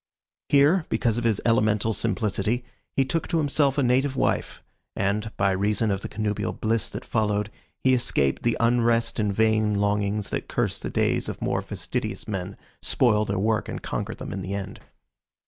Here, because of his elemental simplicity, he took to himself a native wife, and, by reason of the connubial bliss that followed, he escaped the unrest and vain longings that curse the days of more fastidious men, spoil their work, and conquer them in the end.